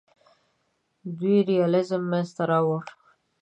دوی ریالیزم منځ ته راوړ.